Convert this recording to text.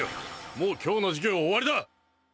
もう今日の授業は終わりだ。